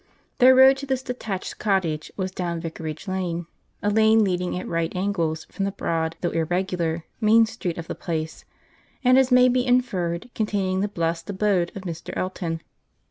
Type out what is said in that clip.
Their road to this detached cottage was down Vicarage Lane, a lane leading at right angles from the broad, though irregular, main street of the place; and, as may be inferred, containing the blessed abode of Mr. Elton.